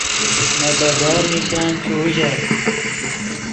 نے بدر میشن چے اوژر